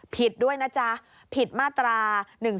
ผิดด้วยนะจ๊ะผิดมาตรา๑๔